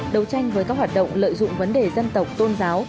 đấu tranh với các hoạt động lợi dụng vấn đề dân tộc tôn giáo